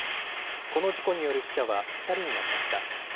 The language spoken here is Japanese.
この事故による死者は２人になりました。